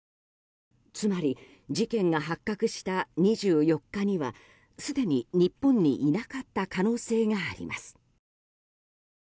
つまり事件が発覚した２４日にはすでに日本にいなかった可能性があります。